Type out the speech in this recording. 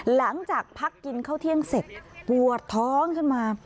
หลังจากพักกินข้าวเที่ยงเสร็จปวดท้องขึ้นมา